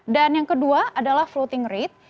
dan yang kedua adalah floating rate